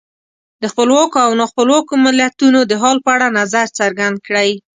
د خپلواکو او نا خپلواکو ملتونو د حال په اړه نظر څرګند کړئ.